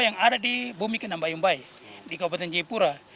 yang ada di bumi kenambayumbai di kabupaten jayapura